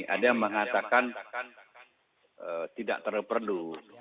ada yang mengatakan tidak terperlu